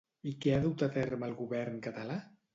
I què ha dut a terme el govern català?